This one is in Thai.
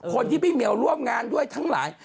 พี่เหมียวร่วมงานด้วยทั้งหลาย